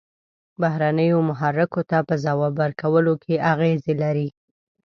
بهرنیو محرکو ته په ځواب ورکولو کې اغیزې لري.